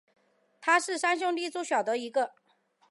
他是三兄弟中最小的一个。